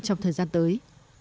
trong thời gian tới